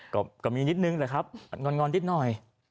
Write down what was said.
ก็มีนิดนึงแหละครับงอนนิดหน่อย